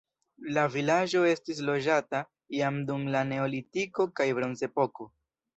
La vilaĝo estis loĝata jam dum la neolitiko kaj bronzepoko.